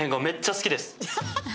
めっちゃ好きです。